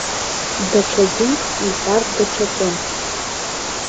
Даҽаӡәы иҳәар даҽакын.